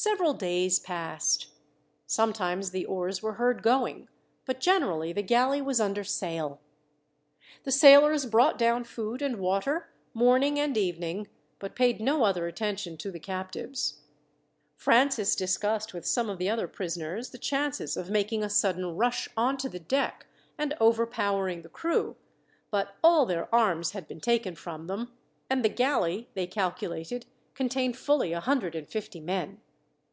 Several days passed. Sometimes the oars were heard going, but generally the galley was under sail. The sailors brought down food and water, morning and evening, but paid no other attention to the captives. Francis discussed, with some of the other prisoners, the chances of making a sudden rush on to the deck, and overpowering the crew; but all their arms had been taken from them, and the galley, they calculated, contained fully a hundred and fifty men.